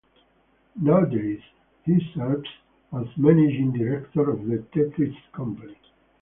Nowadays, he serves as Managing Director of The Tetris Company.